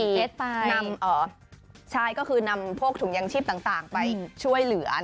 ขี่แจ๊กไปใช่ก็คือนำพวกถุงยังชิบต่างไปช่วยเหลือ